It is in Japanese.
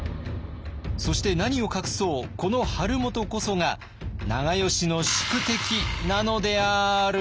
そして何を隠そうこの晴元こそが長慶の宿敵なのである。